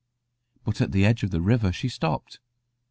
But at the edge of the river she stopped.